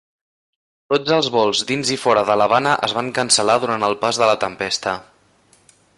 Tots els vols dins i fora de l'Havana es van cancel·lar durant el pas de la tempesta.